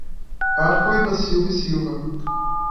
Arkley da Silva E Silva